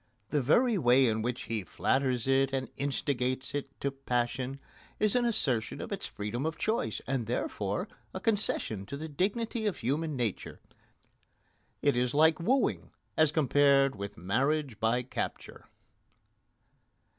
The very way in which he flatters it and instigates it to passion is an assertion of its freedom of choice, and, therefore, a concession to the dignity of human nature. It is like wooing as compared with marriage by capture.